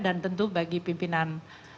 dan tentu bagi pimpinan